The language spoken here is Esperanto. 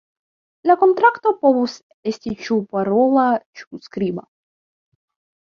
La kontrakto povus esti ĉu parola ĉu skriba.